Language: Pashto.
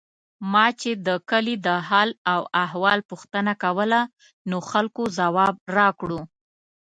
ما چې د کلي د حال او احوال پوښتنه کوله، نو خلکو ځواب راکړو.